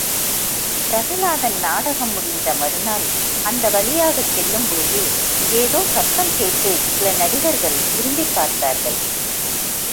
பிரகலாதன் நாடகம் முடிந்த மறுநாள் அந்த வழியாகச் செல்லும்போது, ஏதோ சத்தம் கேட்டுச் சில நடிகர்கள் திரும்பிப் பார்த்தார்கள்.